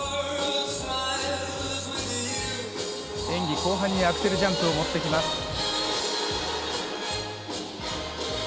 演技後半にアクセルジャンプを持ってきます。